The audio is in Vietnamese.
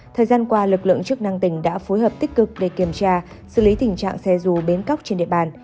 thời gian qua lực lượng chức năng tỉnh đã phối hợp tích cực để kiểm tra xử lý tình trạng xe rù bến cóc trên địa bàn